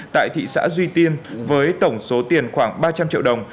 tại thị xã duy tiên với tổng số tiền khoảng ba trăm linh triệu đồng